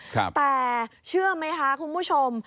แต่เชื่อไหมคะคุณผู้ชม